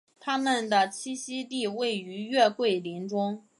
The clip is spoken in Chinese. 它们的栖息地位于月桂林中。